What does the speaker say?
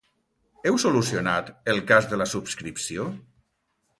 Heu solucionat el cas de la subscripció?